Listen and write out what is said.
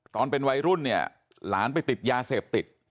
ตอนเป็นวัยรุ่นเนี่ยหลานไปติดยาเสพติด